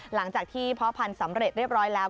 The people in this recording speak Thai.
หลังจากที่เพาะพันธุ์สำเร็จเรียบร้อยแล้ว